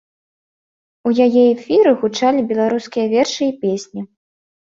У яе эфіры гучалі беларускія вершы і песні.